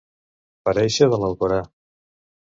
Parèixer de l'Alcora.